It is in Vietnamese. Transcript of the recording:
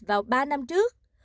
vào ba năm trước